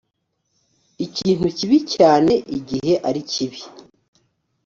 ikintu kibi cyane igihe arikibi